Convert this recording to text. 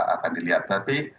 akan dilihat tapi